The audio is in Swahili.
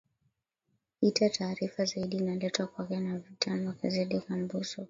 ita taarifa zaidi inaletwa kwako na victor mackzedek ambuso